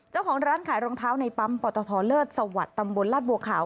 เจ้าของร้านขายรองเท้าในปั๊มปตทเลิศสวัสดิ์ตำบลลาดบัวขาว